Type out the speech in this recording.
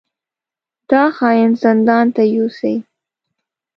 دا خاين زندان ته يوسئ!